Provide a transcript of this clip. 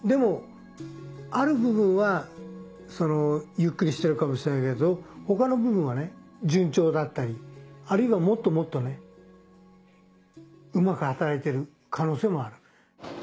ゆっくりしてるかもしれないけど他の部分は順調だったりあるいはもっともっとうまく働いてる可能性もある。